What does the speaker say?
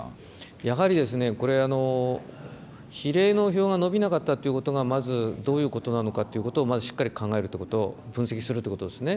やはり、これ、比例の票が伸びなかったということがまずどういうことなのかということを、まずしっかり考えるっていうことを、分析するということですね。